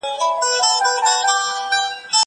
زه اجازه لرم چې منډه ووهم!